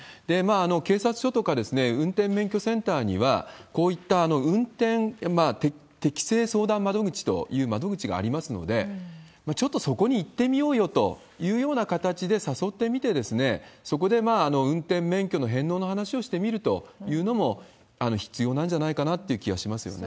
警察署とか運転免許センターには、こういった運転適性相談窓口という窓口がありますので、ちょっとそこに行ってみようよというような形で誘ってみて、そこで運転免許の返納の話をしてみるというのも、必要なんじゃないかなっていう気はしますよね。